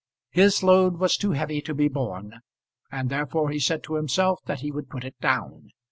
His load was too heavy to be borne, and therefore he said to himself that he would put it down.